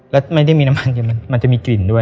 แล้วไม่ได้มีน้ำมันกินมันจะมีกลิ่นด้วย